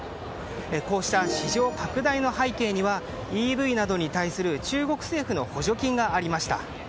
こうした市場拡大の背景にはＥＶなどに対する中国政府の補助金がありました。